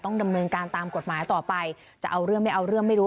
ดำเนินการตามกฎหมายต่อไปจะเอาเรื่องไม่เอาเรื่องไม่รู้